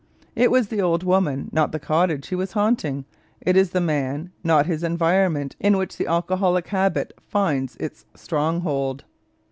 It was the old woman, not the cottage, he was haunting; it is the man, not his environment, in which the alcoholic habit finds its stronghold.